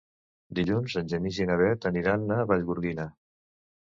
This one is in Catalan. Dilluns en Genís i na Bet aniran a Vallgorguina.